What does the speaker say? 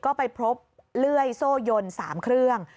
ก็ไปพบเลื่อยโซ่ยน๓เครื่อง